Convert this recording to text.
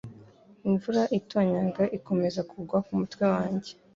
Imvura itonyanga iKomeza Kugwa Kumutwe wanjye